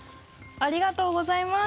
ありがとうございます。